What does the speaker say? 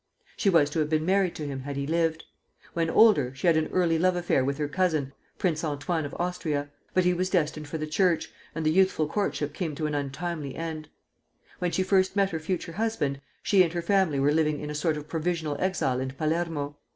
She was to have been married to him had he lived. When older, she had an early love affair with her cousin, Prince Antoine of Austria; but he was destined for the Church, and the youthful courtship came to an untimely end. When she first met her future husband, she and her family were living in a sort of provisional exile in Palermo.